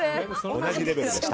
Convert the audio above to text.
同じレベルでした。